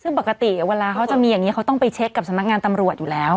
ซึ่งปกติเวลาเขาจะมีอย่างนี้เขาต้องไปเช็คกับสำนักงานตำรวจอยู่แล้ว